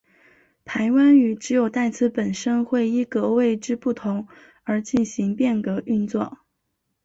排湾语只有代词本身会依格位之不同而进行变格运作。